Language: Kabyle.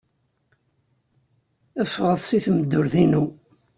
Ffɣet seg tmeddurt-inu.